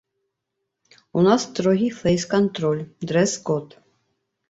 У нас строгі фэйс-кантроль, дрэс-код.